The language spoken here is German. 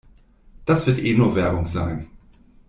Das wird eh nur Werbung sein.